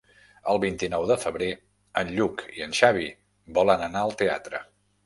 El vint-i-nou de febrer en Lluc i en Xavi volen anar al teatre.